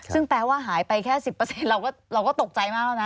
ซึ่งแปลว่าหายไปแค่๑๐เราก็ตกใจมากแล้วนะ